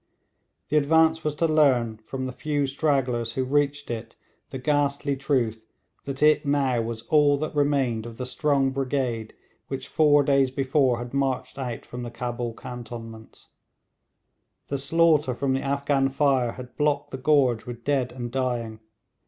The advance was to learn from the few stragglers who reached it the ghastly truth that it now was all that remained of the strong brigade which four days before had marched out from the Cabul cantonments. The slaughter from the Afghan fire had blocked the gorge with dead and dying.